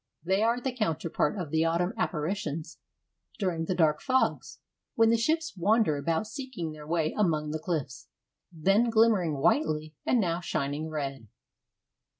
They are the counterpart of the autumn apparitions during the dark fogs, when the ships wander about seeking their way among the cliffs, then glimmering whitely, and now shining red.